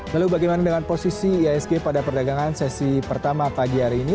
lalu bagaimana dengan posisi iasg pada perdagangan sesi pertama pagi hari ini